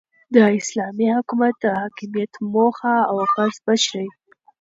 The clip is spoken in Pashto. داسلامي حكومت دحاكميت موخه اوغرض بشري